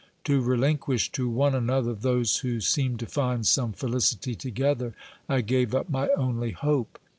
To relinquish to one another those who seemed to find some felicity together, I gave up my only hope.